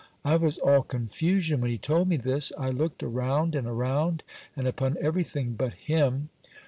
I was all confusion when he told me this. I looked around and around, and upon every thing but him.